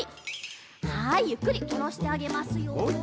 はいゆっくりおろしてあげますよ。